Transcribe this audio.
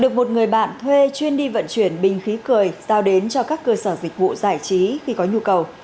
được một người bạn thuê chuyên đi vận chuyển bình khí cười giao đến cho các cơ sở dịch vụ giải trí khi có nhu cầu